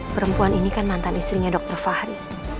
perempuan ini kan mantan istrinya dr fahri